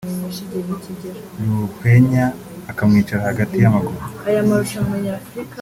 Ruhwenya akamwicara hagati y’amaguru